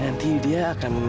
nanti dia akan sedih non